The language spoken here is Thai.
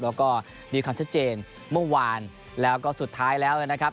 แล้วก็มีความชัดเจนเมื่อวานแล้วก็สุดท้ายแล้วนะครับ